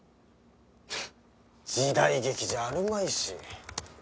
時代劇じゃあるまいし。